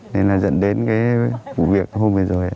nên là dẫn đến cái vụ việc hôm bây giờ